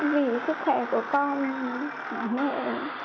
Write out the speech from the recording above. vì sức khỏe của con và mẹ